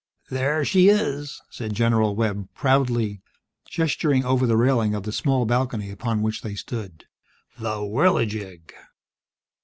"There she is!" said General Webb, proudly, gesturing over the railing of the small balcony upon which they stood. "The Whirligig!"